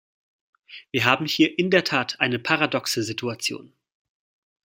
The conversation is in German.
Wir haben hier in der Tat eine paradoxe Situation.